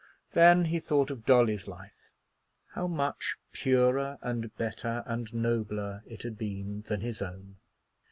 Then he thought of Dolly's life, how much purer and better and nobler it had been than his own.